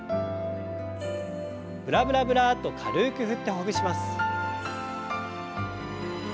ブラブラブラッと軽く振ってほぐします。